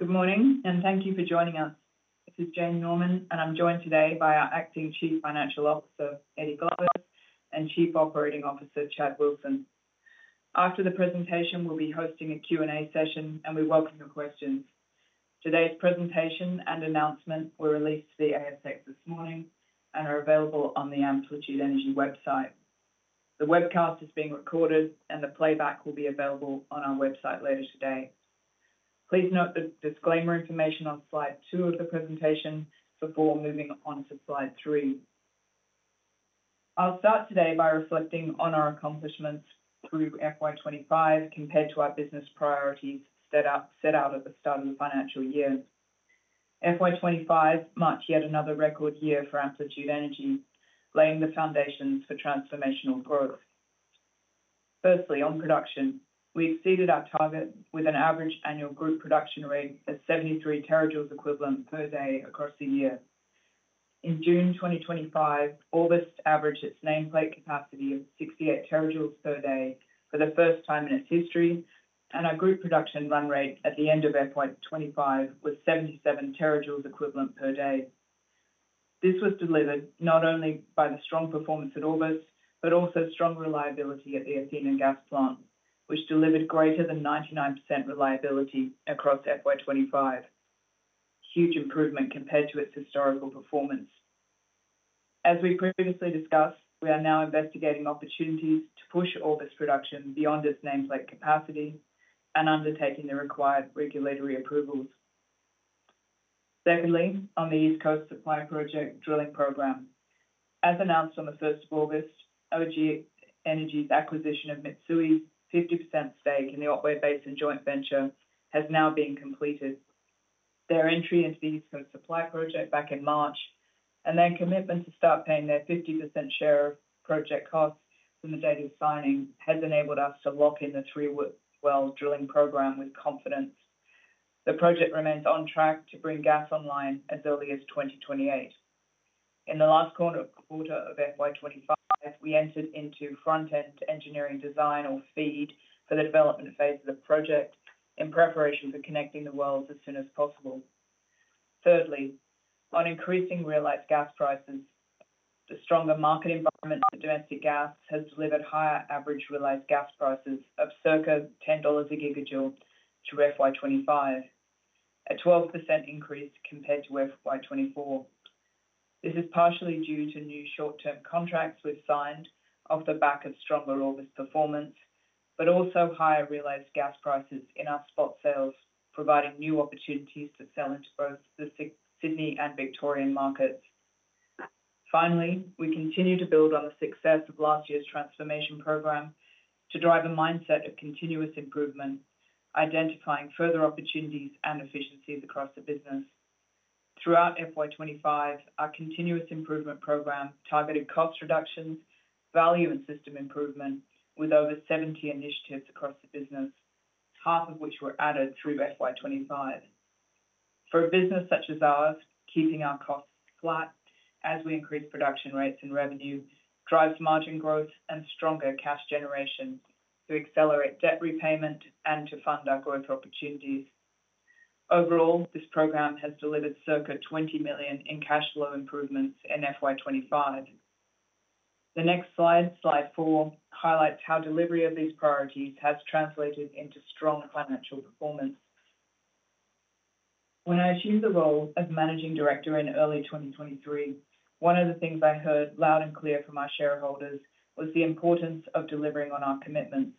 Good morning and thank you for joining us. This is Jane Norman, and I'm joined today by our Acting Chief Financial Officer, Eddy Glavas, and Chief Operating Officer, Chad Wilson. After the presentation, we'll be hosting a Q&A session, and we welcome your questions. Today's presentation and announcement were released to the ASX this morning and are available on the Amplitude Energy website. The webcast is being recorded, and the playback will be available on our website later today. Please note the disclaimer information on slide two of the presentation before moving on to slide three. I'll start today by reflecting on our accomplishments through FY 2025 compared to our business priorities set out at the start of the financial year. FY 2025 marks yet another record year for Amplitude Energy, laying the foundations for transformational growth. Firstly, on production, we exceeded our target with an average annual gross production rate of 73 terajoules equivalent per day across the year. In June 2025, Athena averaged its nameplate capacity of 68 terajoules per day for the first time in its history, and our group production run rate at the end of FY 2025 was 77 terajoules equivalent per day. This was delivered not only by the strong performance at Athena, but also strong reliability at the Athena gas plant, which delivered greater than 99% reliability across FY 2025. Huge improvement compared to its historical performance. As we've previously discussed, we are now investigating opportunities to push Athena production beyond its nameplate capacity and undertaking the required regulatory approvals. Secondly, on the East Coast Supply Project drilling program, as announced on the 1st of August, LG Energy's acquisition of Mitsui's 50% stake in the Otway Basin joint venture has now been completed. Their entry into the East Coast Supply Project back in March and then commitment to start paying their 50% share of project costs from the date of signing has enabled us to lock in the Three Wells drilling program with confidence. The project remains on track to bring gas online at building 2028. In the last quarter of FY 2025, we entered into front-end engineering design or FEED for the development phase of the project in preparation for connecting the wells as soon as possible. Thirdly, on increasing realized gas prices, the stronger market environment on domestic gas has delivered higher average realized gas prices of circa $10 a gigajoule to FY 2025, a 12% increase compared to FY 2024. This is partially due to new short-term contracts we've signed off the back of stronger Athena gas plant performance, but also higher realized gas prices in our spot sales, providing new opportunities to sell into both the Sydney and Victoria markets. Finally, we continue to build on the success of last year's transformation program to drive a mindset of continuous improvement, identifying further opportunities and efficiencies across the business. Throughout FY 2025, our continuous improvement program targeted cost reductions, value, and system improvement with over 70 initiatives across the business, half of which were added through FY 2025. For a business such as ours, keeping our costs flat as we increase production rates and revenue drives margin growth and stronger cash generation to accelerate debt repayment and to fund our growth opportunities. Overall, this program has delivered circa $20 million in cash flow improvements in FY 2025. The next slide, slide four, highlights how delivery of these priorities has translated into strong financial performance. When I assumed the role of Managing Director in early 2023, one of the things I heard loud and clear from our shareholders was the importance of delivering on our commitments.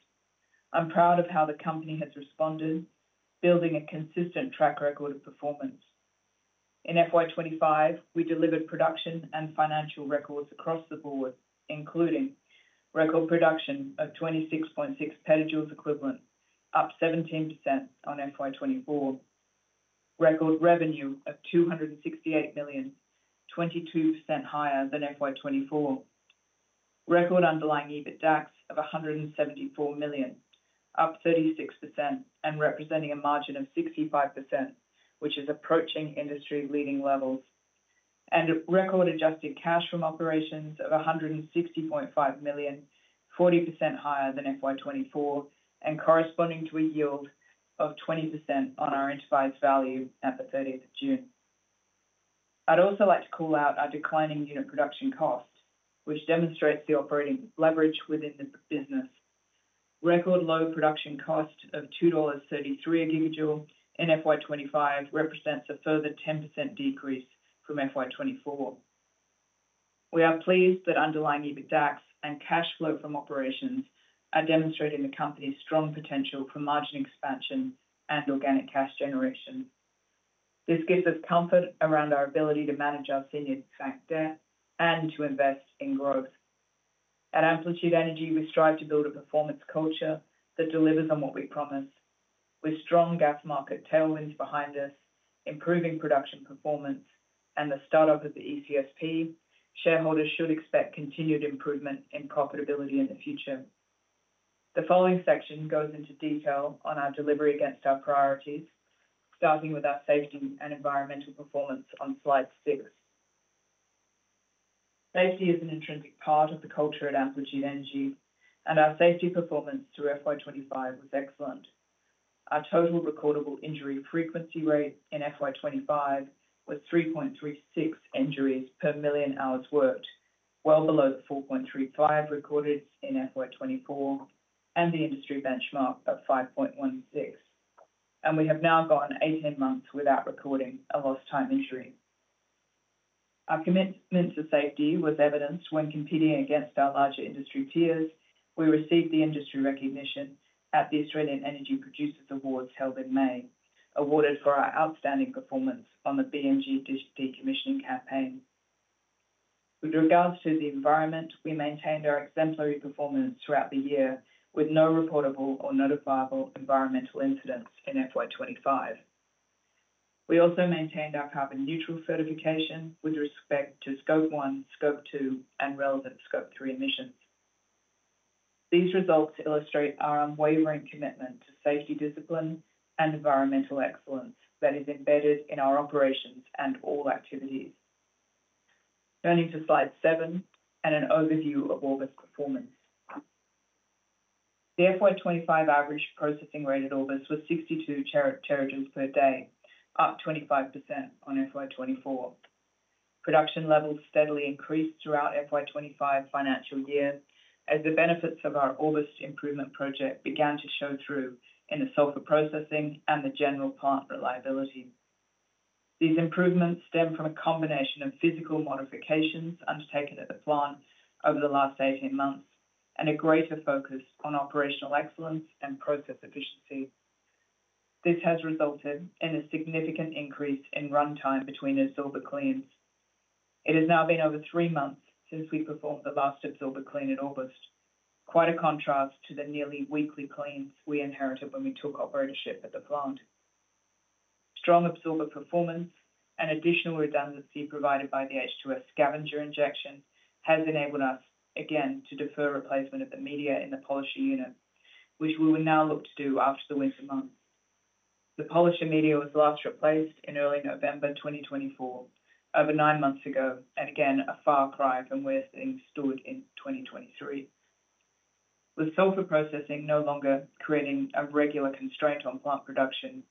I'm proud of how the company has responded, building a consistent track record of performance. In FY 2025, we delivered production and financial records across the board, including record production of 26.6 petajoules equivalent, up 17% on FY 2024, record revenue of $268 million, 22% higher than FY 2024, record underlying EBITDA of $174 million, up 36% and representing a margin of 65%, which is approaching industry-leading levels, and record adjusted cash from operations of $160.5 million, 40% higher than FY 2024, and corresponding to a yield of 20% on our enterprise value at the 30th of June. I'd also like to call out our declining unit production cost, which demonstrates the operating leverage within the business. Record low production cost of $2.33 a gigajoule in FY 2025 represents a further 10% decrease from FY 2024. We are pleased that underlying EBITDA and cash flow from operations are demonstrating the company's strong potential for margin expansion and organic cash generation. This gives us comfort around our ability to manage our senior sector and to invest in growth. At Amplitude Energy, we strive to build a performance culture that delivers on what we promise. With strong gas market tailwinds behind us, improving production performance, and the startup of the ECSP, shareholders should expect continued improvement in profitability in the future. The following section goes into detail on our delivery against our priorities, starting with our safety and environmental performance on slide six. Safety is an intrinsic part of the culture at Amplitude Energy, and our safety performance through FY 2025 was excellent. Our total recordable injury frequency rate in FY 2025 was 3.36 injuries per million hours worked, well below the 4.35 recorded in FY 2024 and the industry benchmark of 5.16. We have now gone 18 months without recording a lost time injury. Our commitment to safety was evidenced when competing against our larger industry peers. We received the industry recognition at the Australian Energy Producers Awards held in May, awarded for our outstanding performance on the BMG Decommissioning Campaign. With regards to the environment, we maintained our exemplary performance throughout the year with no reportable or notifiable environmental incidents in FY 2025. We also maintained our carbon neutral certification with respect to Scope 1, Scope 2, and relevant Scope 3 emissions. These results illustrate our unwavering commitment to safety discipline and environmental excellence that is embedded in our operations and all activities. Turning to slide seven and an overview of Orbost's performance. The FY 2025 average processing rate at Orbost was 62 terajoules per day, up 25% on FY 2024. Production levels steadily increased throughout FY 2025 financial year as the benefits of our Orbost improvement project began to show through in the sulfur processing and the general plant reliability. These improvements stem from a combination of physical modifications undertaken at the plant over the last 18 months and a greater focus on operational excellence and process efficiency. This has resulted in a significant increase in runtime between absorber cleans. It has now been over three months since we performed the last absorber clean in Orbost, quite a contrast to the nearly weekly cleans we inherited when we took operatorship at the plant. Strong absorber performance and additional redundancy provided by the H2S scavenger injection has enabled us again to defer replacement of the media in the polisher unit, which we will now look to do after the winter months. The polisher media was last replaced in early November 2024, over nine months ago, and again a far cry from where things stood in 2023. With sulfur processing no longer creating a regular constraint on plant production,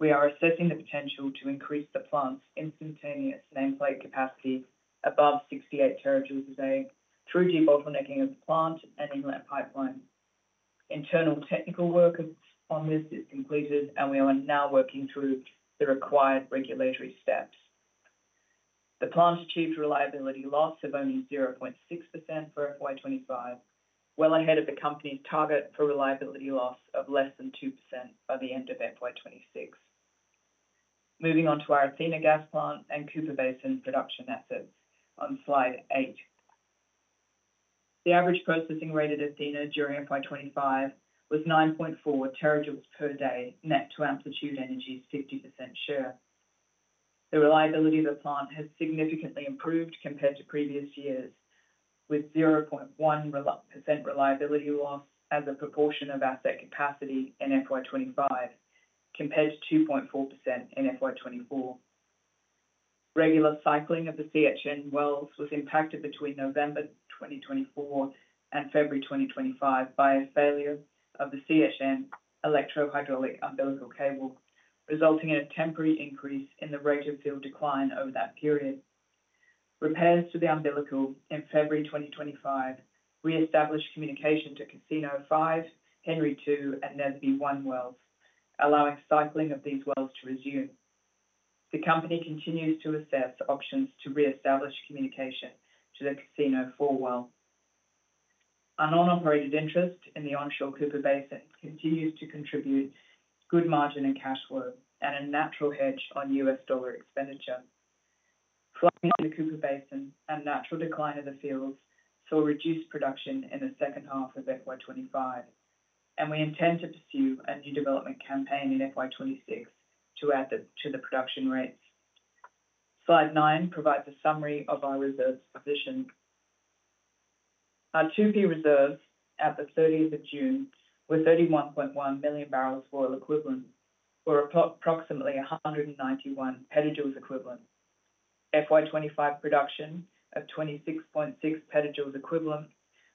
we are assessing the potential to increase the plant's instantaneous nameplate capacity above 68 terajoules a day through de-bottlenecking of the plant and inlet pipelines. Internal technical work on this is completed, and we are now working through the required regulatory steps. The plant achieved reliability loss of only 0.6% for FY 2025, well ahead of the company's target for reliability loss of less than 2% by the end of FY 2026. Moving on to our Athena gas plant and Cooper Basin production assets on slide eight. The average processing rate at Athena during FY 2025 was 9.4 terajoules per day, net to Amplitude Energy's 50% share. The reliability of the plant has significantly improved compared to previous years, with 0.1% reliability loss as a proportion of asset capacity in FY 2025 compared to 2.4% in FY 2024. Regular cycling of the CHN wells was impacted between November 2024 and February 2025 by a failure of the CHN electrohydraulic umbilical cable, resulting in a temporary increase in the rate of field decline over that period. Repairs to the umbilical in February 2025 reestablished communication to Casino 5, Henry 2, and Netherby 1 wells, allowing cycling of these wells to resume. The company continues to assess options to reestablish communication to the Casino 4 well. Our non-operated interest in the onshore Cooper Basin continues to contribute good margin and cash flow and a natural edge on US dollar expenditure. Flooding in the Cooper Basin and natural decline of the fields saw reduced production in the second half of FY 2025, and we intend to pursue a new development campaign in FY 2026 to add to the production rates. Slide nine provides a summary of our reserves position. Our 2P reserves at the 30th of June were 31.1 million barrels of oil equivalent, or approximately 191 petajoules equivalent. FY 2025 production of 26.6 petajoules equivalent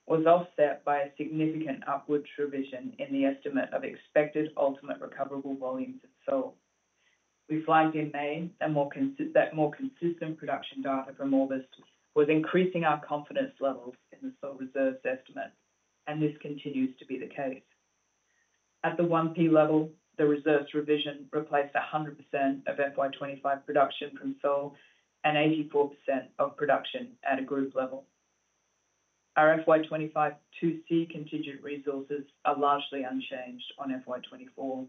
was offset by a significant upward revision in the estimate of expected ultimate recoverable volumes of Sole. We flagged in May that more consistent production data from Orbost was increasing our confidence levels in the Sole reserves estimate, and this continues to be the case. At the 1P level, the reserves revision replaced 100% of FY 2025 production from Sole and 84% of production at a group level. Our FY 2025 2C contingent resources are largely unchanged on FY 2024.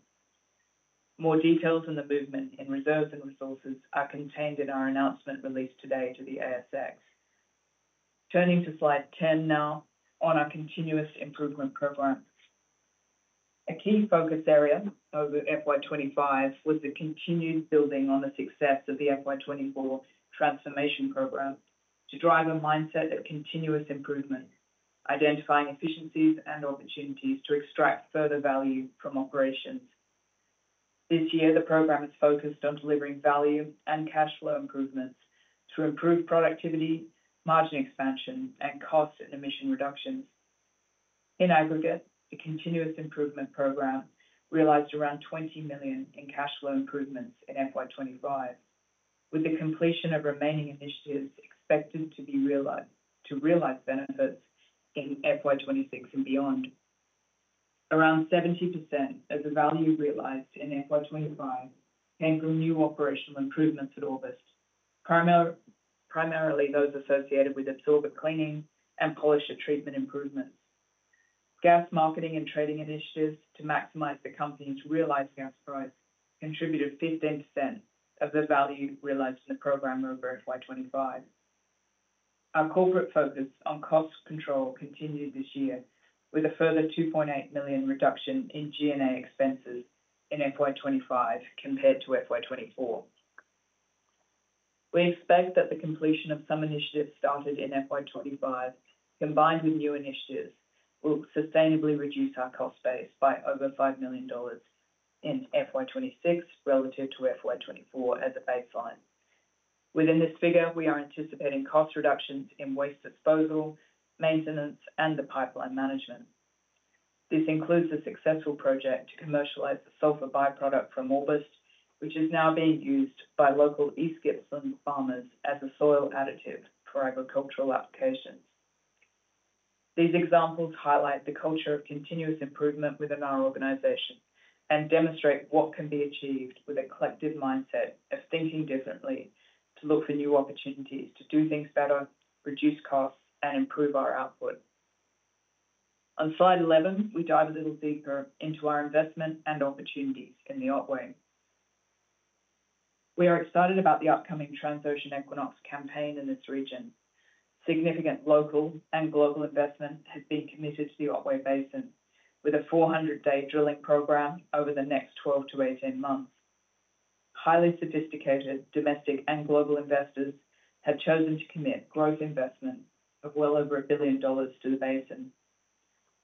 More details on the movement in reserves and resources are contained in our announcement released today to the ASX. Turning to slide ten now on our continuous improvement program. A key focus area over FY 2025 was the continued building on the success of the FY 2024 transformation program to drive a mindset of continuous improvement, identifying efficiencies and opportunities to extract further value from operations. This year, the program is focused on delivering value and cash flow improvements to improve productivity, margin expansion, and cost and emission reductions. In aggregate, the continuous improvement program realized around $20 million in cash flow improvements in FY 2025, with the completion of remaining initiatives expected to be realized to realize benefits in FY 2026 and beyond. Around 70% of the value realized in FY 2025 can include new operational improvements at Athena gas plant, primarily those associated with absorber cleaning and polisher treatment improvements. Gas marketing and trading initiatives to maximize the company's realized gas price contributed 15% of the value realized in the program over FY 2025. Our corporate focus on cost control continued this year with a further $2.8 million reduction in G&A expenses in FY 2025 compared to FY 2024. We expect that the completion of some initiatives started in FY 2025, combined with new initiatives, will sustainably reduce our cost base by over $5 million in FY 2026 relative to FY 2024 as a baseline. Within this figure, we are anticipating cost reductions in waste disposal, maintenance, and the pipeline management. This includes a successful project to commercialize the sulfur byproduct from Athena gas plant, which is now being used by local Gippsland farmers as a soil additive for agricultural applications. These examples highlight the culture of continuous improvement within our organization and demonstrate what can be achieved with a collective mindset of thinking differently to look for new opportunities to do things better, reduce costs, and improve our output. On slide 11, we dive a little deeper into our investment and opportunities in the Otway. We are excited about the upcoming TransOcean Equinox campaign in this region. Significant local and global investment has been committed to the Otway Basin with a 400-day drilling program over the next 12-18 months. Highly sophisticated domestic and global investors have chosen to commit growth investment of well over $1 billion to the basin.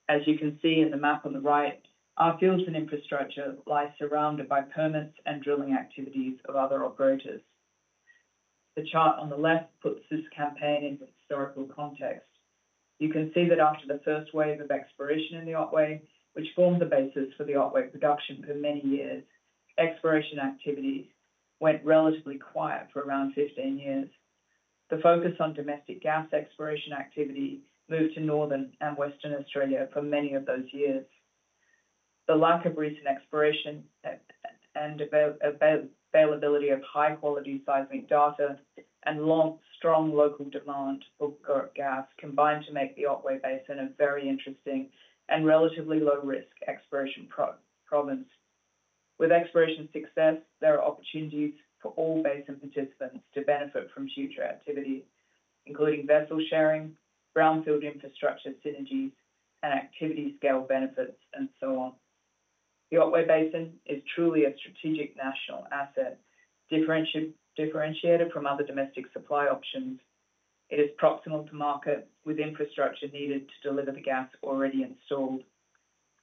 As you can see in the map on the right, our fields and infrastructure lie surrounded by permits and drilling activities of other operators. The chart on the left puts this campaign into historical context. You can see that after the first wave of exploration in the Otway, which formed the basis for the Otway production for many years, exploration activity went relatively quiet for around 15 years. The focus on domestic gas exploration activity moved to northern and western Australia for many of those years. The lack of recent exploration and availability of high-quality seismic data and strong local demand for gas combined to make the Otway Basin a very interesting and relatively low-risk exploration province. With exploration success, there are opportunities for all basin participants to benefit from future activities, including vessel sharing, brownfield infrastructure synergies, and activity scale benefits, and so on. The Otway Basin is truly a strategic national asset, differentiated from other domestic supply options. It is proximal to market with infrastructure needed to deliver the gas already installed.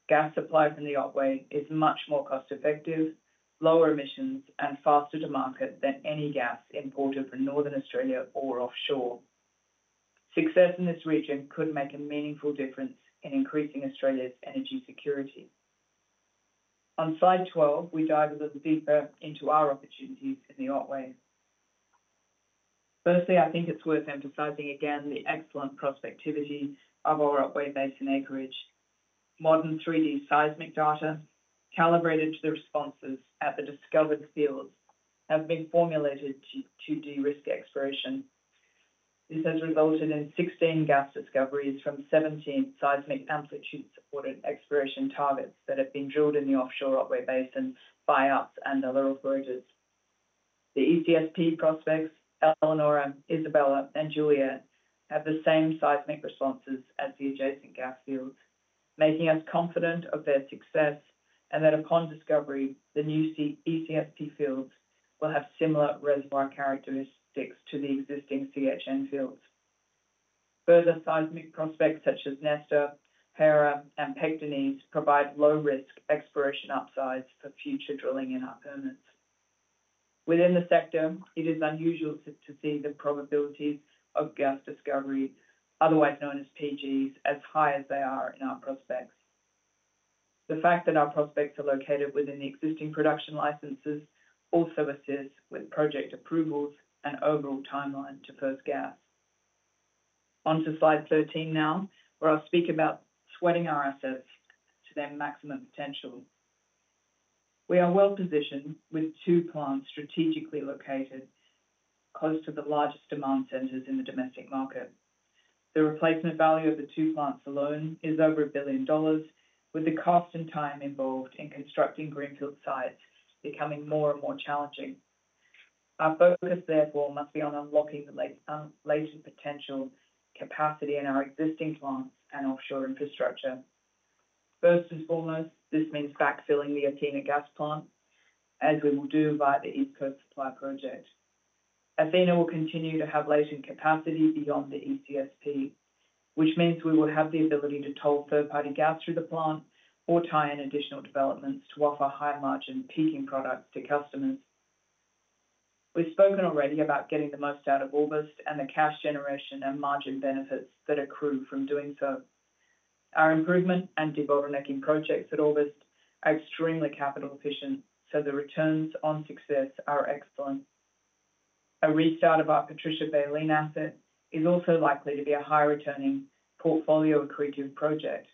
Gas supply from the Otway is much more cost-effective, lower emissions, and faster to market than any gas imported from northern Australia or offshore. Success in this region could make a meaningful difference in increasing Australia's energy security. On slide 12, we dive a little deeper into our opportunities in the Otway. Firstly, I think it's worth emphasizing again the excellent prospectivity of our Otway Basin acreage. Modern 3D seismic data calibrated to the responses at the discovered fields have been formulated to de-risk exploration. This has resulted in 16 gas discoveries from 17 seismic amplitude-supported exploration targets that have been drilled in the offshore Otway Basin by us and other operators. The ECSP prospects, Eleanor, Isabella, and Juliet, have the same seismic responses as the adjacent gas fields, making us confident of their success and that upon discovery, the new ECSP fields will have similar reservoir characteristics to the existing CHN fields. Further seismic prospects such as Nesta, Para, and Pegdonese provide low-risk exploration upsides for future drilling in our permits. Within the sector, it is unusual to see the probabilities of gas discovery, otherwise known as PGs, as high as they are in our prospects. The fact that our prospects are located within the existing production licenses also assists with project approvals and overall timeline to first gas. On to slide 13 now, where I'll speak about sweating our assets to their maximum potential. We are well positioned with two plants strategically located close to the largest demand centers in the domestic market. The replacement value of the two plants alone is over $1 billion, with the cost and time involved in constructing greenfield sites becoming more and more challenging. Our focus, therefore, must be on unlocking the latest potential capacity in our existing plant and offshore infrastructure. First and foremost, this means backfilling the Athena gas plant, as we will do by the East Coast Supply Project. Athena will continue to have latent capacity beyond the ECSP, which means we will have the ability to toll third-party gas through the plant or tie in additional developments to offer higher margin peaking products to customers. We've spoken already about getting the most out of Orbost and the cash generation and margin benefits that accrue from doing so. Our improvement and de-bottlenecking projects at Orbost are extremely capital efficient, so the returns on success are excellent. A restart of our Patricia Baleen asset is also likely to be a high-returning portfolio accretive project.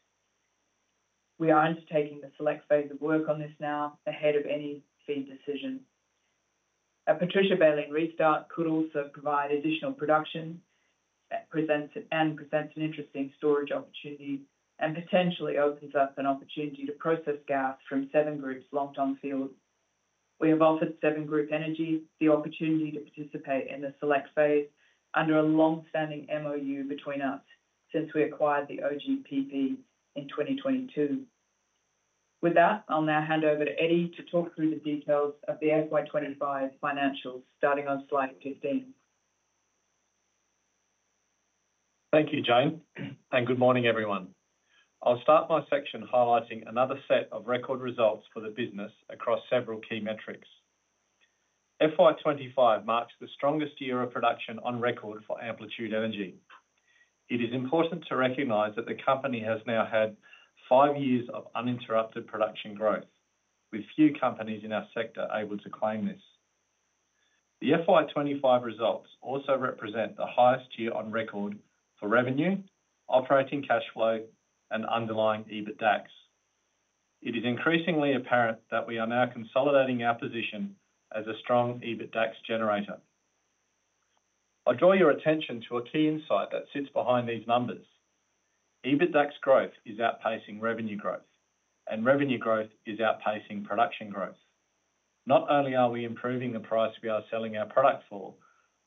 We are undertaking the select phase of work on this now ahead of any FID decision. A Patricia Baleen restart could also provide additional production and present an interesting storage opportunity and potentially opens up an opportunity to process gas from Seven Group locked on fuel. We have offered Seven Group Energy the opportunity to participate in the select phase under a longstanding MOU between us since we acquired the OGPP in 2022. With that, I'll now hand over to Eddy to talk through the details of the FY 2025 financials, starting on slide 15. Thank you, Jane, and good morning, everyone. I'll start my section highlighting another set of record results for the business across several key metrics. FY 2025 marks the strongest year of production on record for Amplitude Energy. It is important to recognize that the company has now had five years of uninterrupted production growth, with few companies in our sector able to claim this. The FY 2025 results also represent the highest year on record for revenue, operating cash flow, and underlying EBITDA tax. It is increasingly apparent that we are now consolidating our position as a strong EBITDA tax generator. I draw your attention to a key insight that sits behind these numbers. EBITDA tax growth is outpacing revenue growth, and revenue growth is outpacing production growth. Not only are we improving the price we are selling our product for,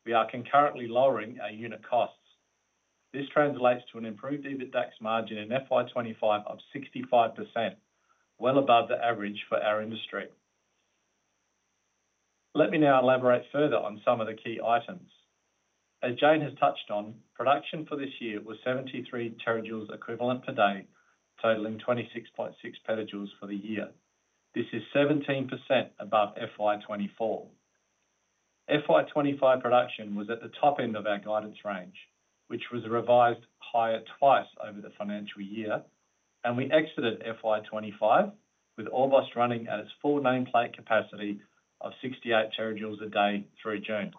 we are concurrently lowering our unit costs. This translates to an improved EBITDA tax margin in FY 2025 of 65%, well above the average for our industry. Let me now elaborate further on some of the key items. As Jane has touched on, production for this year was 73 terajoules equivalent per day, totaling 26.6 petajoules for the year. This is 17% above FY 2024. FY 2025 production was at the top end of our guidance range, which was revised higher twice over the financial year, and we exited FY 2025 with Orbost running at its full nameplate capacity of 68 terajoules a day through June.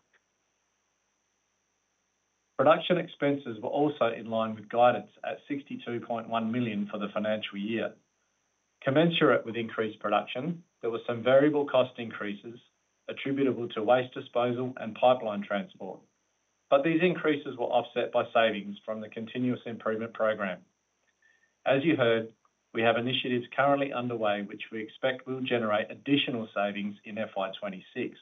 Production expenses were also in line with guidance at $62.1 million for the financial year. Commensurate with increased production, there were some variable cost increases attributable to waste disposal and pipeline transport, but these increases were offset by savings from the continuous improvement program. As you heard, we have initiatives currently underway which we expect will generate additional savings in FY 2026.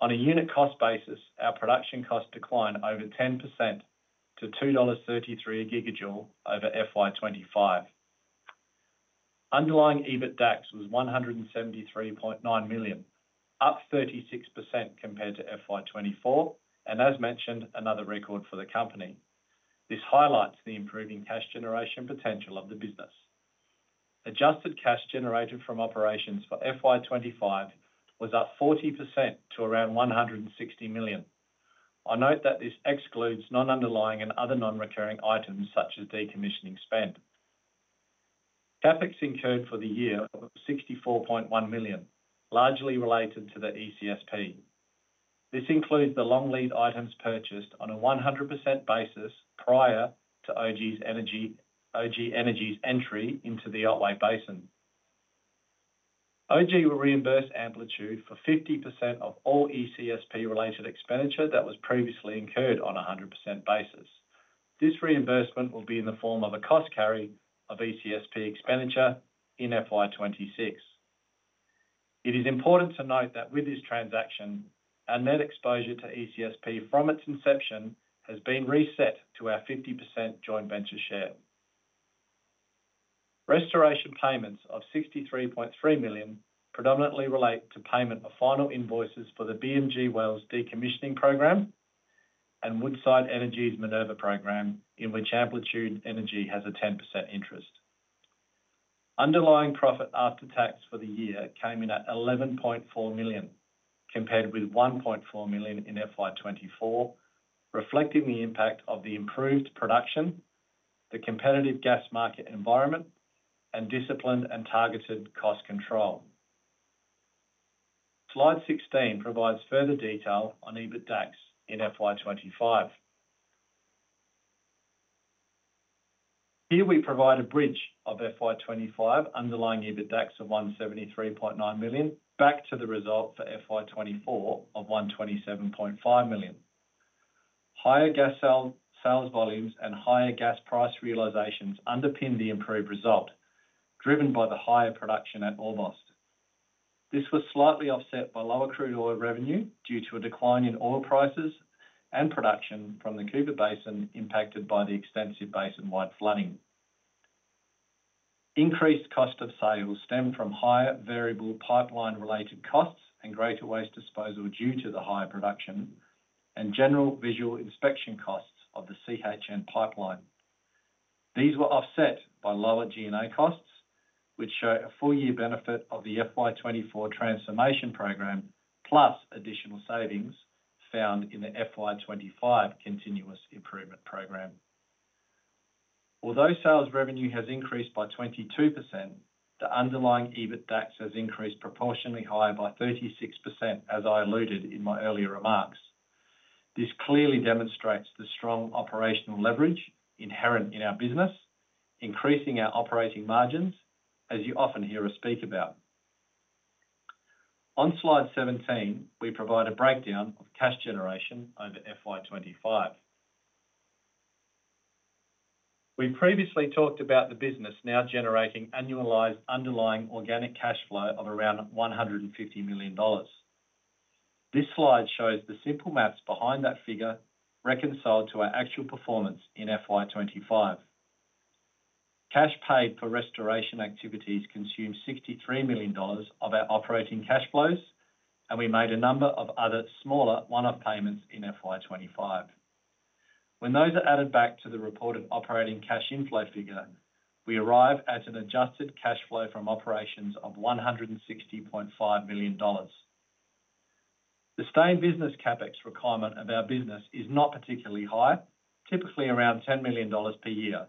On a unit cost basis, our production costs declined over 10% to $2.33 a gigajoule over FY 2025. Underlying EBITDA tax was $173.9 million, up 36% compared to FY 2024, and as mentioned, another record for the company. This highlights the improving cash generation potential of the business. Adjusted cash generated from operations for FY 2025 was up 40% to around $160 million. I note that this excludes non-underlying and other non-recurring items such as decommissioning spend. CapEx incurred for the year was $64.1 million, largely related to the ECSP. This includes the long lead items purchased on a 100% basis prior to LG Energy's entry into the Otway Basin. LG will reimburse Amplitude for 50% of all ECSP-related expenditure that was previously incurred on a 100% basis. This reimbursement will be in the form of a cost carry of ECSP expenditure in FY 2026. It is important to note that with this transaction, our net exposure to ECSP from its inception has been reset to our 50% joint venture share. Restoration payments of $63.3 million predominantly relate to payment of final invoices for the BMG Wells Decommissioning Program and Woodside Energy's Maneuver Program, in which Amplitude Energy has a 10% interest. Underlying profit after tax for the year came in at $11.4 million, compared with $1.4 million in FY 2024, reflecting the impact of the improved production, the competitive gas market environment, and disciplined and targeted cost control. Slide 16 provides further detail on EBITDA tax in FY 2025. Here we provide a bridge of FY 2025 underlying EBITDA tax of $173.9 million back to the result for FY 2024 of $127.5 million. Higher gas sales volumes and higher gas price realizations underpin the improved result, driven by the higher production at Orbost. This was slightly offset by lower crude oil revenue due to a decline in oil prices and production from the Cooper Basin impacted by the extensive basin-wide flooding. Increased cost of sale will stem from higher variable pipeline-related costs and greater waste disposal due to the high production and general visual inspection costs of the CHN pipeline. These were offset by lower G&A costs, which show a full-year benefit of the FY 2024 transformation program, plus additional savings found in the FY 2025 continuous improvement program. Although sales revenue has increased by 22%, the underlying EBITDA tax has increased proportionately higher by 36%, as I alluded in my earlier remarks. This clearly demonstrates the strong operational leverage inherent in our business, increasing our operating margins, as you often hear us speak about. On slide 17, we provide a breakdown of cash generation over FY 2025. We previously talked about the business now generating annualized underlying organic cash flow of around $150 million. This slide shows the simple maths behind that figure reconciled to our actual performance in FY 2025. Cash paid for restoration activities consumed $63 million of our operating cash flows, and we made a number of other smaller one-off payments in FY 2025. When those are added back to the reported operating cash inflow figure, we arrive at an adjusted cash flow from operations of $160.5 million. The sustained business CapEx requirement of our business is not particularly high, typically around $10 million per year,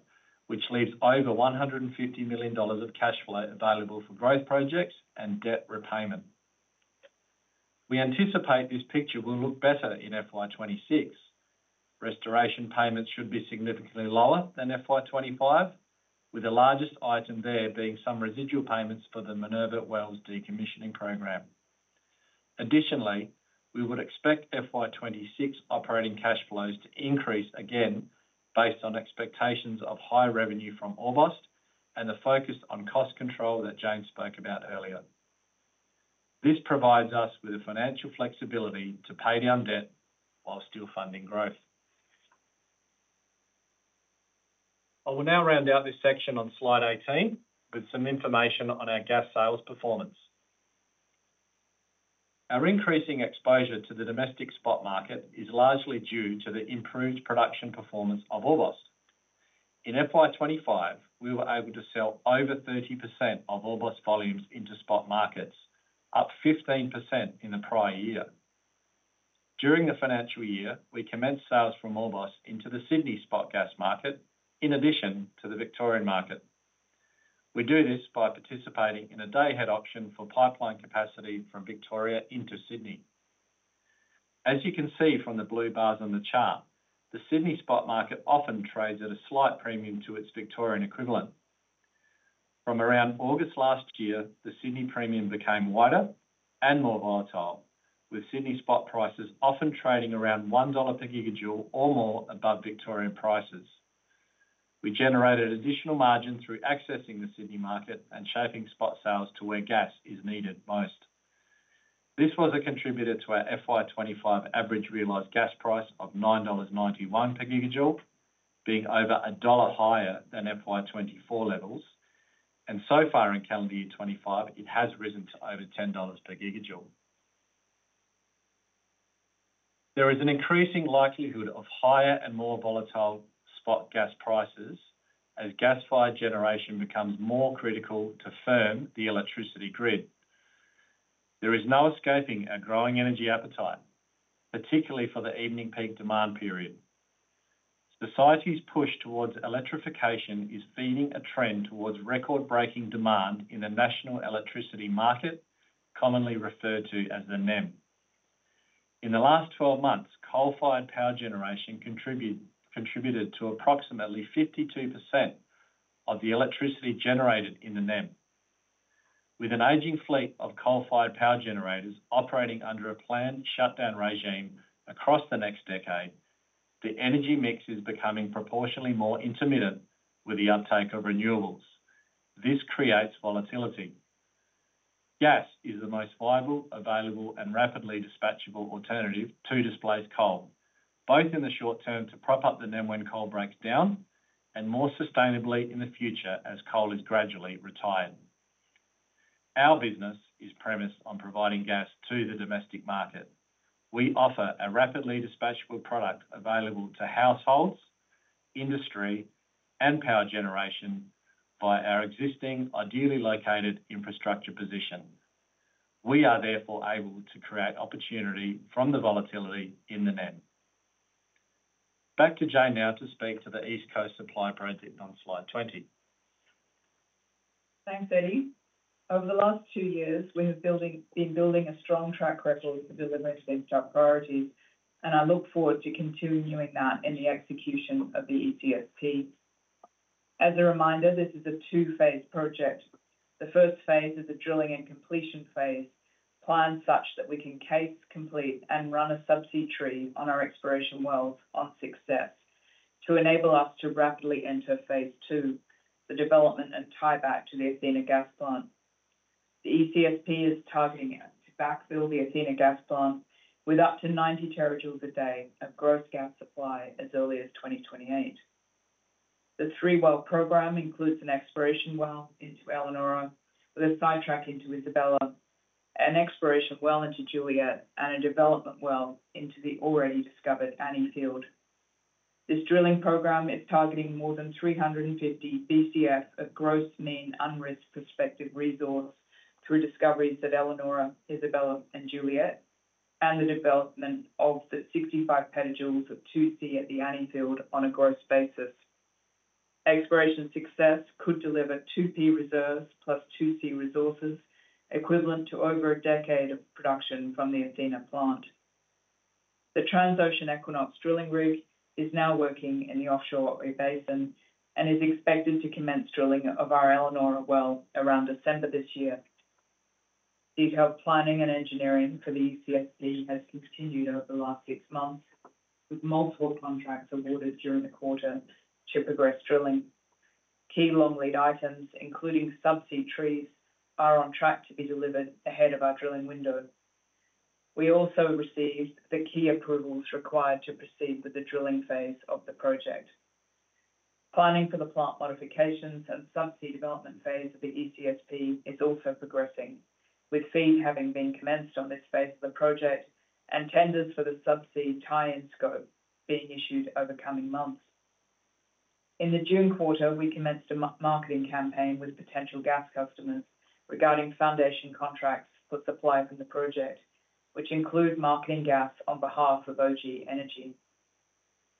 which leaves over $150 million of cash flow available for growth projects and debt repayment. We anticipate this picture will look better in FY 2026. Restoration payments should be significantly lower than FY 2025, with the largest item there being some residual payments for the Maneuver Wells Decommissioning Program. Additionally, we would expect FY 2026 operating cash flows to increase again based on expectations of high revenue from the Orbost and the focus on cost control that Jane spoke about earlier. This provides us with the financial flexibility to pay down debt while still funding growth. I will now round out this section on slide 18 with some information on our gas sales performance. Our increasing exposure to the domestic spot market is largely due to the improved production performance of the Orbost. In FY 2025, we were able to sell over 30% of Orbost volumes into spot markets, up 15% in the prior year. During the financial year, we commenced sales from Orbost into the Sydney spot gas market, in addition to the Victorian market. We do this by participating in a day-ahead auction for pipeline capacity from Victoria into Sydney. As you can see from the blue bars on the chart, the Sydney spot market often trades at a slight premium to its Victorian equivalent. From around August last year, the Sydney premium became wider and more volatile, with Sydney spot prices often trading around $1 per gigajoule or more above Victorian prices. We generated additional margin through accessing the Sydney market and shaping spot sales to where gas is needed most. This was a contributor to our FY 2025 average realized gas price of $9.91 per gigajoule, being over $1 higher than FY 2024 levels, and so far in calendar year 2025, it has risen to over $10 per gigajoule. There is an increasing likelihood of higher and more volatile spot gas prices as gas-fired generation becomes more critical to firm the electricity grid. There is no escaping our growing energy appetite, particularly for the evening peak demand period. Society's push towards electrification is feeding a trend towards record-breaking demand in the national electricity market, commonly referred to as the NEM. In the last 12 months, coal-fired power generation contributed to approximately 52% of the electricity generated in the NEM. With an aging fleet of coal-fired power generators operating under a planned shutdown regime across the next decade, the energy mix is becoming proportionately more intermittent with the uptake of renewables. This creates volatility. Gas is the most viable, available, and rapidly dispatchable alternative to displaced coal, both in the short term to prop up the NEM when coal breaks down and more sustainably in the future as coal is gradually retiring. Our business is premised on providing gas to the domestic market. We offer a rapidly dispatchable product available to households, industry, and power generation by our existing, ideally located infrastructure position. We are therefore able to create opportunity from the volatility in the NEM. Back to Jane now to speak to the East Coast Supply Project on slide 20. Thanks, Eddy. Over the last two years, we have been building a strong track record with the domestic job priorities, and I look forward to continuing that in the execution of the ECSP. As a reminder, this is a two-phase project. The first phase is a drilling and completion phase, planned such that we can case, complete, and run a subsea tree on our exploration wells on success to enable us to rapidly enter phase two, the development and tie-back to the Athena gas plant. The ECSP is targeting to backfill the Athena gas plant with up to 90 terajoules a day of gross gas supply as early as 2028. The three well program includes an exploration well into Eleanor with a sidetrack into Isabella, an exploration well into Juliet, and a development well into the already discovered Annie field. This drilling program is targeting more than 350 BCF of gross mean unrisked prospective resources through discoveries at Eleanor, Isabella, and Juliet, and the development of the 65 petajoules of 2C at the Annie field on a gross basis. Exploration success could deliver 2P reserves plus 2C resources equivalent to over a decade of production from the Athena plant. The Transocean Equinox drilling rig is now working in the offshore basin and is expected to commence drilling of our Eleanor well around December this year. Detailed planning and engineering for the ECSP has continued over the last six months, with multiple contracts awarded during the quarter to progress drilling. Key long lead items, including subsea trees, are on track to be delivered ahead of our drilling window. We also received the key approvals required to proceed with the drilling phase of the project. Planning for the plant modifications and subsea development phase of the ECSP is also progressing, with FEED having been commenced on this phase of the project and tenders for the subsea tie-in scope being issued over coming months. In the June quarter, we commenced a marketing campaign with potential gas customers regarding foundation contracts for supply from the project, which include marketing gas on behalf of OG Energy.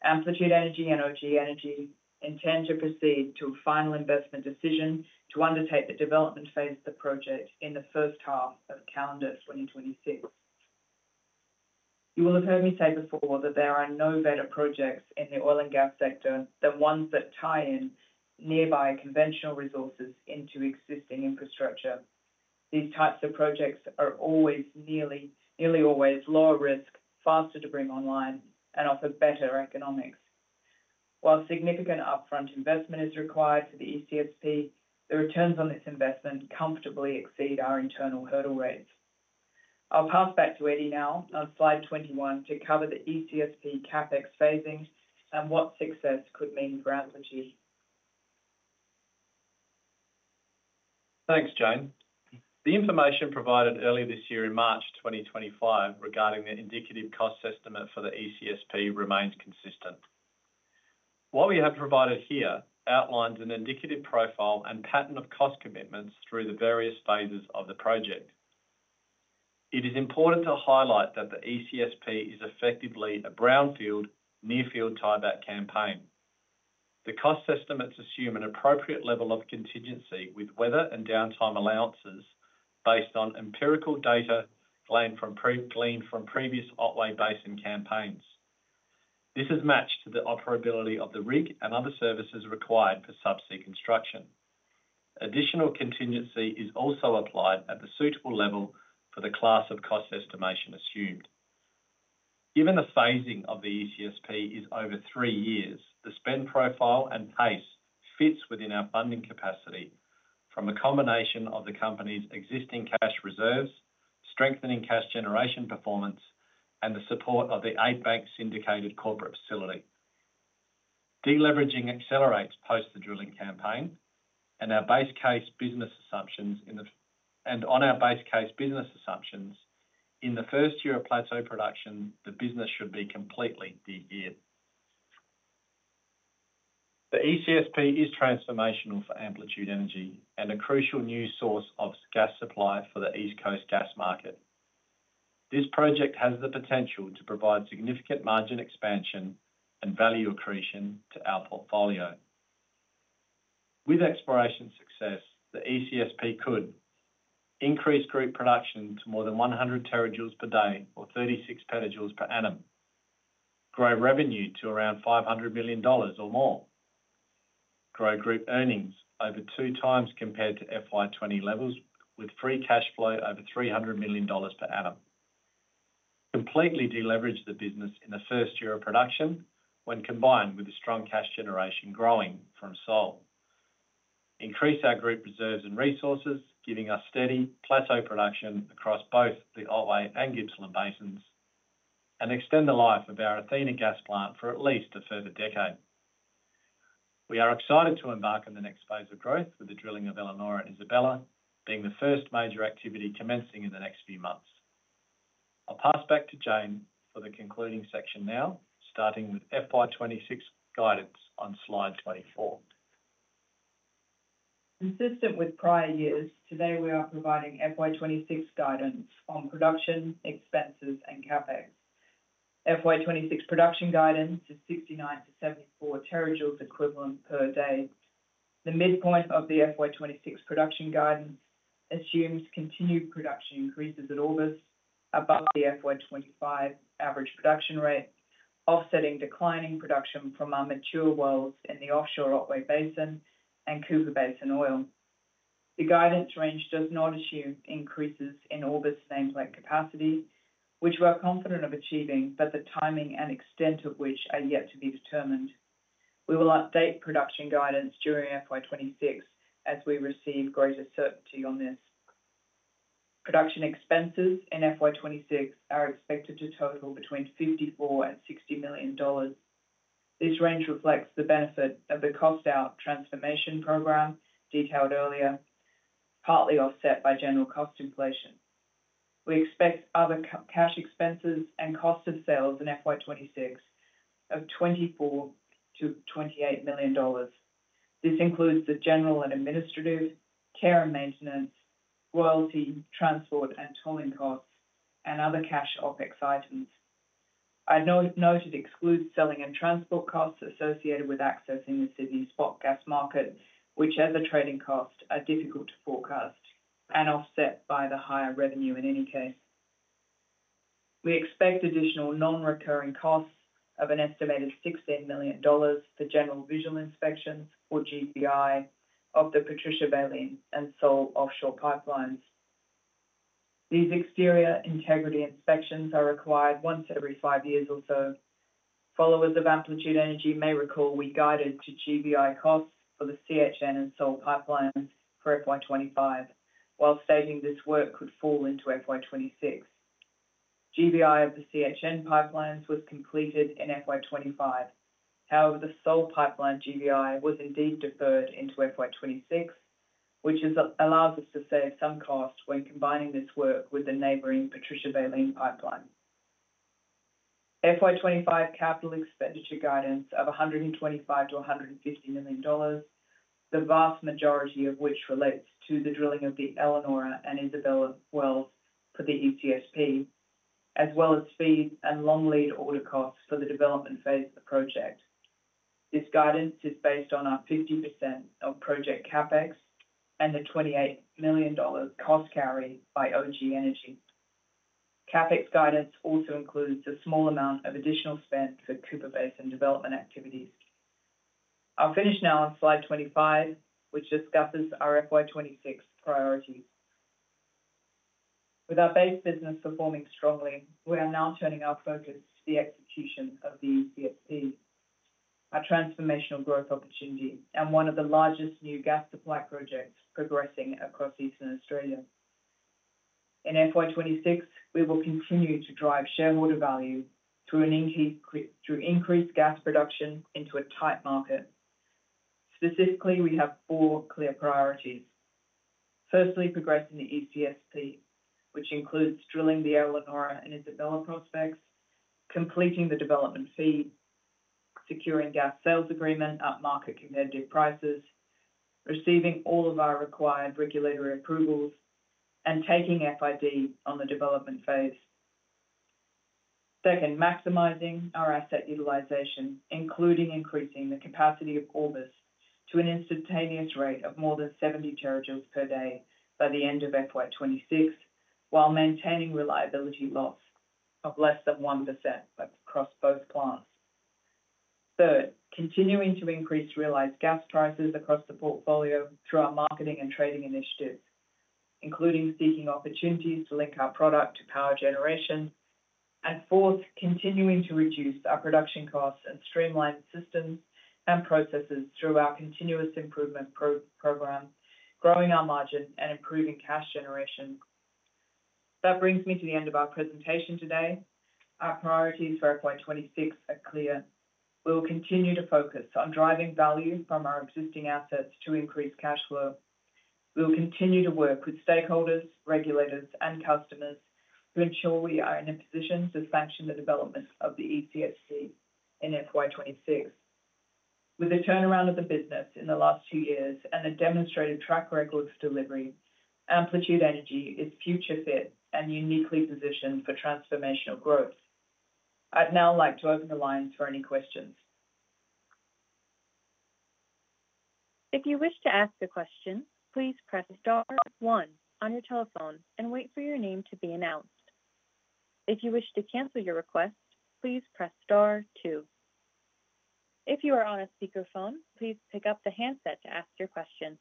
Amplitude Energy and OG Energy intend to proceed to a final investment decision to undertake the development phase of the project in the first half of calendar 2026. You will have heard me say before that there are no better projects in the oil and gas sector than ones that tie in nearby conventional resources into existing infrastructure. These types of projects are always nearly always lower risk, faster to bring online, and offer better economics. While significant upfront investment is required for the ECSP, the returns on this investment comfortably exceed our internal hurdle rates. I'll pass back to Eddy now on slide 21 to cover the ECSP CapEx phasing and what success could mean for Amplitude. Thanks, Jane. The information provided early this year in March 2025 regarding the indicative cost estimate for the ECSP remains consistent. What we have provided here outlines an indicative profile and pattern of cost commitments through the various phases of the project. It is important to highlight that the ECSP is effectively a brownfield near-field tieback campaign. The cost estimates assume an appropriate level of contingency with weather and downtime allowances based on empirical data gleaned from previous Otway Basin campaigns. This is matched to the operability of the rig and other services required for subsea construction. Additional contingency is also applied at the suitable level for the class of cost estimation assumed. Given the phasing of the ECSP is over three years, the spend profile and pace fit within our funding capacity from a combination of the company's existing cash reserves, strengthening cash generation performance, and the support of the eight bank syndicated corporate facility. Deleveraging accelerates post the drilling campaign and our base case business assumptions. On our base case business assumptions, in the first year of plateau production, the business should be completely de-leveraged. The ECSP is transformational for Amplitude Energy and a crucial new source of gas supply for the East Coast gas market. This project has the potential to provide significant margin expansion and value accretion to our portfolio. With exploration success, the ECSP could increase group production to more than 100 terajoules per day or 36 petajoules per annum, grow revenue to around $500 million or more, grow group earnings over two times compared to FY 2020 levels, with free cash flow over $300 million per annum, completely deleverage the business in the first year of production when combined with the strong cash generation growing from sale, increase our group reserves and resources, giving us steady plateau production across both the Otway and Gibson Basins, and extend the life of our Athena gas plant for at least a further decade. We are excited to embark on the next phase of growth with the drilling of Eleanor and Isabella being the first major activity commencing in the next few months. I'll pass back to Jane for the concluding section now, starting with FY 2026 guidance on slide 24. Consistent with prior years, today we are providing FY 2026 guidance on production, expenses, and CapEx. FY 2026 production guidance is 69 terajoules-74 terajoules equivalent per day. The midpoint of the FY 2026 production guidance assumes continued production increases at Athena gas plant above the FY 2025 average production rate, offsetting declining production from our mature wells in the offshore Otway Basin and Cooper Basin oil. The guidance range does not assume increases in Athena gas plant nameplate capacity, which we are confident of achieving, but the timing and extent of which are yet to be determined. We will update production guidance during FY 2026 as we receive greater certainty on this. Production expenses in FY 2026 are expected to total between $54 million and $60 million. This range reflects the benefit of the cost-out transformation program detailed earlier, partly offset by general cost inflation. We expect other cash expenses and cost of sales in FY 2026 of $24 million to $28 million. This includes the general and administrative care and maintenance, royalty, transport, and tolling costs, and other cash OpEx items. I noted exclude selling and transport costs associated with accessing the Sydney spot gas market, which as a trading cost are difficult to forecast and offset by the higher revenue in any case. We expect additional non-recurring costs of an estimated $16 million for general visual inspections or GBI of the Patricia Baleen and Sole offshore pipelines. These exterior integrity inspections are required once every five years or so. Followers of Amplitude Energy may recall we guided to GBI costs for the CHN and Sole pipelines for FY 2025, while stating this work could fall into FY 2026. GBI of the CHN pipelines was completed in FY 2025. However, the Sole pipeline GBI was indeed deferred into FY 2026, which allows us to save some costs when combining this work with the neighboring Patricia Baleen pipeline. FY 2025 capital expenditure guidance of $125 million to $150 million, the vast majority of which relates to the drilling of the Eleanor and Isabella wells for the ECSP, as well as fees and long lead order costs for the development phase of the project. This guidance is based on our 50% of project CapEx and the $28 million cost carry by OG Energy. CapEx guidance also includes a small amount of additional spend for Cooper Basin development activities. I'll finish now on slide 25, which discusses our FY 2026 priority. With our base business performing strongly, we are now turning our focus to the execution of the ECSP, a transformational growth opportunity and one of the largest new gas supply projects progressing across Eastern Australia. In FY 2026, we will continue to drive shareholder value through increased gas production into a tight market. Specifically, we have four clear priorities. Firstly, progressing the ECSP, which includes drilling the Eleanor and Isabella prospects, completing the development fee, securing gas sales agreement at market competitive prices, receiving all of our required regulatory approvals, and taking FID on the development phase. Second, maximizing our asset utilization, including increasing the capacity of the Athena gas plant to an instantaneous rate of more than 70 terajoules per day by the end of FY 2026, while maintaining reliability loss of less than 1% across both plants. Third, continuing to increase realized gas prices across the portfolio through our marketing and trading initiatives, including seeking opportunities to link our product to power generation. Fourth, continuing to reduce our production costs and streamline systems and processes through our continuous improvement program, growing our margin and improving cash generation. That brings me to the end of our presentation today. Our priorities for FY 2026 are clear. We will continue to focus on driving value from our existing assets to increase cash flow. We will continue to work with stakeholders, regulators, and customers to ensure we are in a position to sanction the development of the ECSP in FY 2026. With the turnaround of the business in the last two years and a demonstrated track record of delivery, Amplitude Energy is future-fit and uniquely positioned for transformational growth. I'd now like to open the line for any questions. If you wish to ask a question, please press star one on your telephone and wait for your name to be announced. If you wish to cancel your request, please press star two. If you are on a speakerphone, please pick up the handset to ask your question.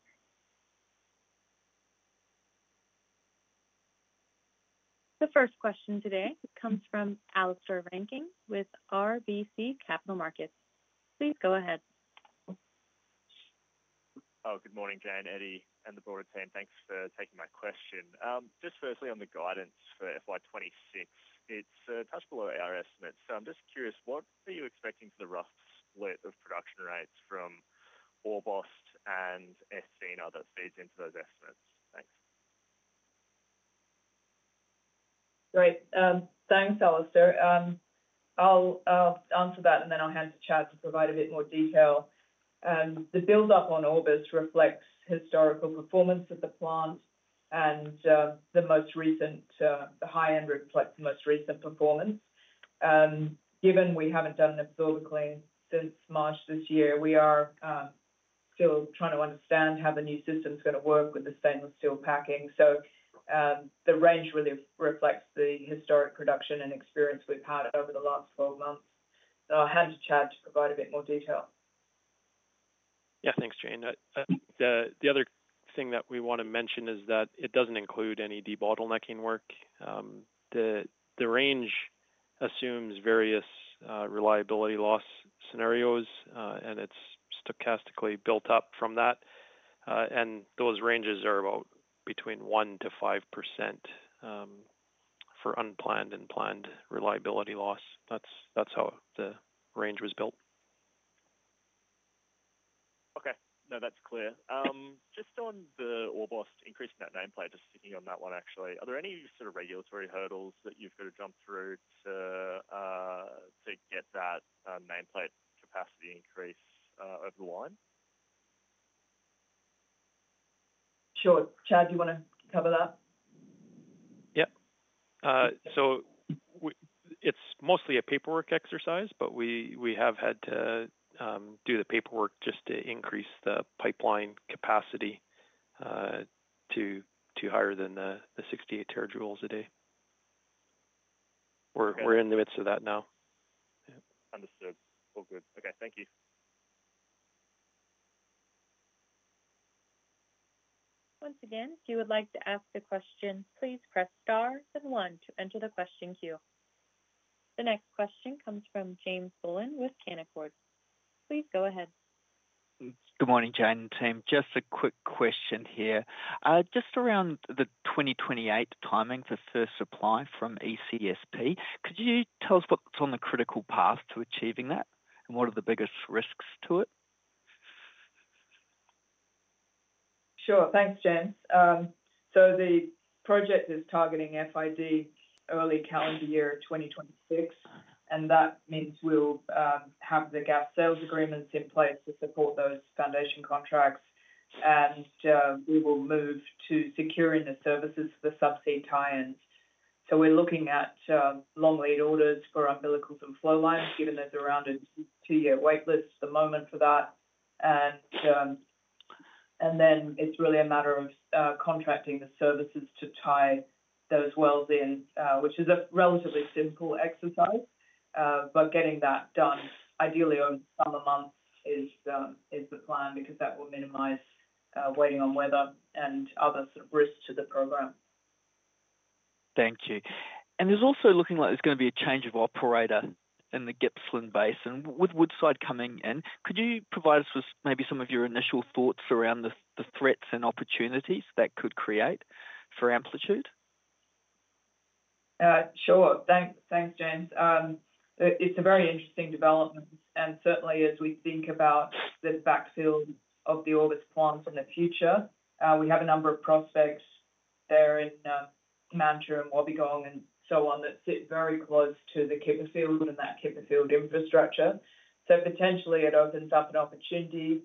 The first question today comes from Alastair Rankin with RBC Capital Markets. Please go ahead. Good morning, Jane, Eddy, and the board of 10. Thanks for taking my question. Just firstly, on the guidance for FY 202026, it's touched below our estimates. I'm just curious, what are you expecting for the rough split of production rates from Orbost and Athena that feeds into those estimates? Thanks. Great. Thanks, Alastair. I'll answer that and then I'll hand to Chad to provide a bit more detail. The buildup on Orbost reflects historical performance of the plant and the most recent, the high end reflects the most recent performance. Given we haven't done a builder clean since March this year, we are still trying to understand how the new system is going to work with the stainless steel packing. The range really reflects the historic production and experience we've had over the last 12 months. I'll hand to Chad to provide a bit more detail. Yeah, thanks, Jane. The other thing that we want to mention is that it doesn't include any de-bottlenecking work. The range assumes various reliability loss scenarios, and it's stochastically built up from that. Those ranges are about between 1%-5% for unplanned and planned reliability loss. That's how the range was built. Okay, no, that's clear. Just on the Orbost increase in that nameplate, just sticking on that one, actually, are there any sort of regulatory hurdles that you've got to jump through to get that nameplate capacity increase over the line? Sure. Chad, do you want to cover that? Yeah, it's mostly a paperwork exercise, but we have had to do the paperwork just to increase the pipeline capacity to higher than the 68 terajoules a day. We're in the midst of that now. Understood. All good. Okay, thank you. Once again, if you would like to ask a question, please press star and one to enter the question queue. The next question comes from James Bullen with Canaccord. Please go ahead. Good morning, Jane and team. Just a quick question here. Just around the 2028 timing for first supply from ECSP, could you tell us what's on the critical path to achieving that and what are the biggest risks to it? Thanks, Jane. The project is targeting FID early calendar year 2026, which means we'll have the gas sales agreements in place to support those foundation contracts, and we will move to securing the services for the subsea tie-ins. We're looking at long lead orders for umbilicals and flow lines, given there's around a two-year waitlist at the moment for that. It's really a matter of contracting the services to tie those wells in, which is a relatively simple exercise. Getting that done ideally over the summer months is the plan because that will minimize waiting on weather and other sorts of risks to the program. Thank you. There's also looking like there's going to be a change of operator in the Gippsland Basin with Woodside coming in. Could you provide us with maybe some of your initial thoughts around the threats and opportunities that could create for Amplitude? Sure. Thanks, James. It's a very interesting development, and certainly as we think about the backfill of the Orbost plant in the future, we have a number of prospects there in Manturam, Wobegong, and so on that sit very close to the Kipper Field and that Kipper Field infrastructure. It potentially opens up an opportunity.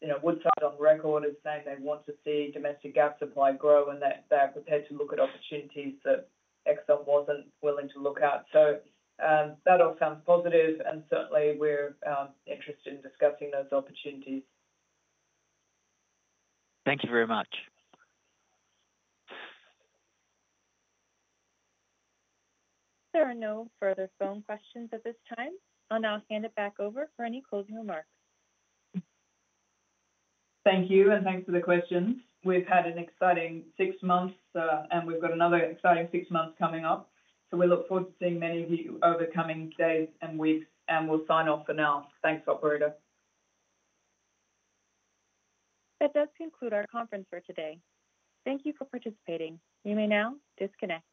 You know Woodside on record is saying they want to see domestic gas supply grow and that they're prepared to look at opportunities that Exxon wasn't willing to look at. That all sounds positive, and certainly we're interested in discussing those opportunities. Thank you very much. There are no further phone questions at this time. I'll hand it back over for any closing remarks. Thank you, and thanks for the questions. We've had an exciting six months, and we've got another exciting six months coming up. We look forward to seeing many of you over the coming days and weeks, and we'll sign off for now. Thanks, operator. That does conclude our conference for today. Thank you for participating. You may now disconnect.